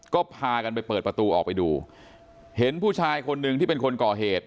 ก็พากันไปเปิดประตูออกไปดูเห็นผู้ชายคนหนึ่งที่เป็นคนก่อเหตุ